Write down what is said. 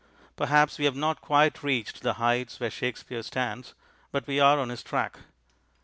Perhaps we have not quite reached the heights where Shakespeare stands, but we are on his track.